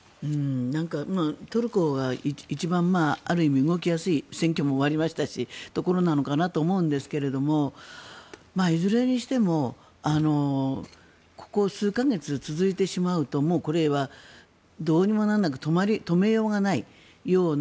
トルコが一番ある意味動きやすい選挙も終わりましたし動きやすいところなのかなと思いましたけどいずれにしてもここ数か月続いてしまうともうこれはどうにもならない止めようがないような。